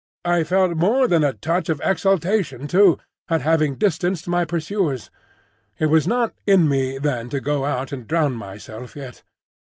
I felt more than a touch of exultation too, at having distanced my pursuers. It was not in me then to go out and drown myself yet.